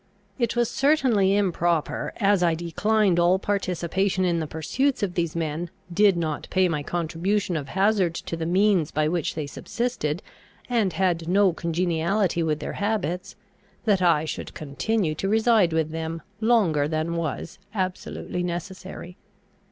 It was certainly improper, as I declined all participation in the pursuits of these men, did not pay my contribution of hazard to the means by which they subsisted, and had no congeniality with their habits, that I should continue to reside with them longer than was absolutely necessary.